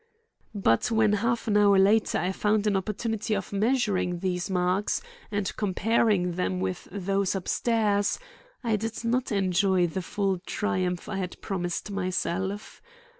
But when half an hour later I found an opportunity of measuring these marks and comparing them with those upstairs, I did not enjoy the full triumph I had promised myself.